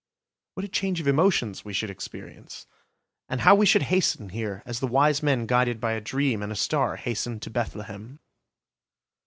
What a change of emotions we should experience! And how we should hasten here, as the wise men guided by a dream and a star hastened to Bethlehem!